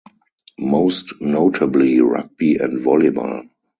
Most notably rugby and volleyball.